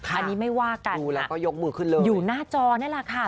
อันนี้ไม่ว่ากันอยู่หน้าจอนั่นล่ะค่ะ